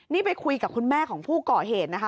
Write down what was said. นี่ไปคุยกับคุณแม่ของผู้ก่อเหตุนะคะ